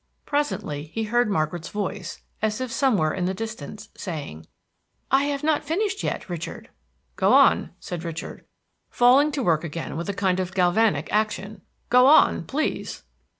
Presently he heard Margaret's voice, as if somewhere in the distance, saying, "I have not finished yet, Richard." "Go on," said Richard, falling to work again with a kind of galvanic action. "Go on, please."